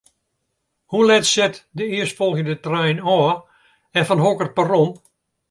Hoe let set de earstfolgjende trein ôf en fan hokker perron?